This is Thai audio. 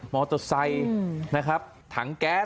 มอเตอร์ไซค์นะครับถังแก๊ส